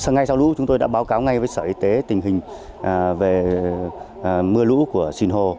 ngay sau lũ chúng tôi đã báo cáo ngay với sở y tế tình hình về mưa lũ của sinh hồ